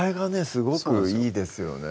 すごくいいですよね